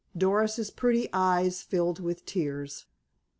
Doris's pretty eyes filled with tears.